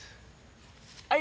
はい。